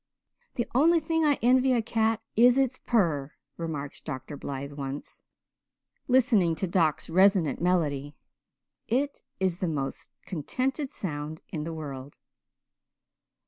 "The only thing I envy a cat is its purr," remarked Dr. Blythe once, listening to Doc's resonant melody. "It is the most contented sound in the world."